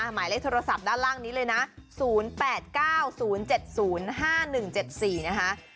หมายเลขโทรศัพท์ด้านล่างนี้เลยนะ๐๘๙๐๗๐๕๑๗๔นะคะ